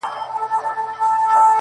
کروندې يې د کهاله څنگ ته لرلې٫